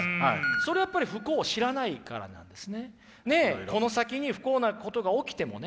それやっぱり不幸を知らないからなんですね。